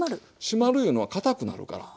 締まるいうのはかたくなるから。